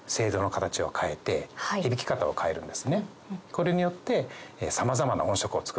これによって。